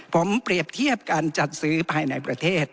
ผมเปรียบเทียบการจัดซื้อภายในประเทศ